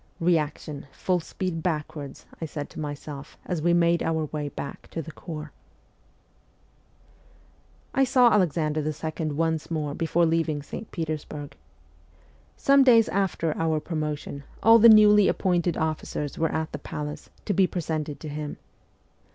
' Reaction, full speed backwards,' I said to myself as we made our way back to the corps. I saw Alexander II. once more before leaving St. Petersburg. Some days after our promotion, all the newly appointed officers were at the palace, to be presented to, him.